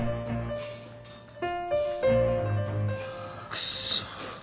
クソ。